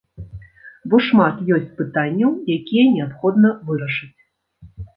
Бо шмат ёсць пытанняў, якія неабходна вырашыць.